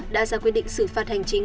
đã ra quyết định xử phạt hành chính